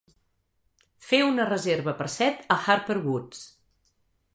Fer una reserva per set a Harper Woods